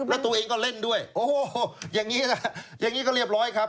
แล้วตัวเองก็เล่นด้วยโอ้โฮอย่างนี้ก็เรียบร้อยครับ